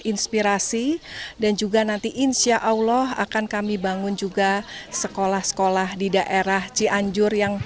inspirasi dan juga nanti insyaallah akan kami bangun juga sekolah sekolah di daerah cianjur yang